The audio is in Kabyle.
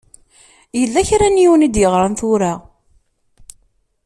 Yella kra n yiwen i d-iɣṛan tura.